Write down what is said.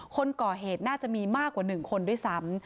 คนก่อเหตุน่าจะมีมากกว่า๑คนด้วยซ้ำ